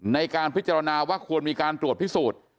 ในการพิจารณาว่าควรมีการตรวจพิสูจน์